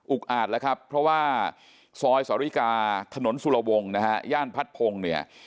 อาจแล้วครับเพราะว่าซอยสริกาถนนสุรวงศ์นะฮะย่านพัดพงศ์เนี่ย